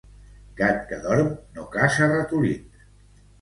Gat que dorm no caça ratolins.